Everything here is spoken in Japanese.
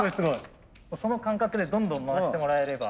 その感覚でどんどん回してもらえれば。